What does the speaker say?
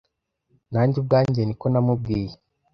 nanjye ubwanjye niko namubwiye